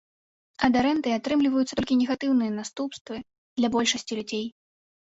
Ад арэнды атрымліваюцца толькі негатыўныя наступствы для большасці людзей.